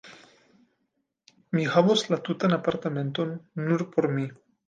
Mi havos la tutan apartamenton, nur por mi!